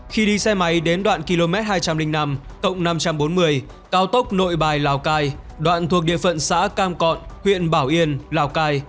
khi đi xe máy đến đoạn km hai trăm linh năm cộng năm trăm bốn mươi cao tốc nội bài lào cai đoạn thuộc địa phận xã cam cọn huyện bảo yên lào cai